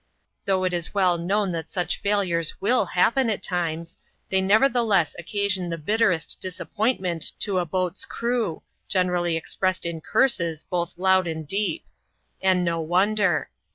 Though it is well known that such failures will happen at times, they nevertheless occasion the bitterest dis appointment to a boat's crew, generally expressed in curses, both loud and deep. And no wonder.